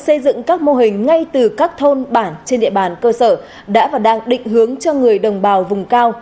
xây dựng các mô hình ngay từ các thôn bản trên địa bàn cơ sở đã và đang định hướng cho người đồng bào vùng cao